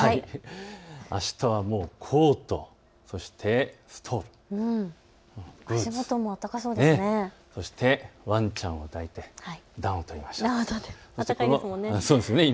あしたはコート、そしてストール、ブーツ、そしてワンちゃんを抱いて暖を取りましょう。